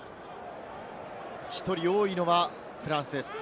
１人多いのはフランスです。